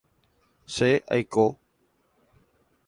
Che aiko.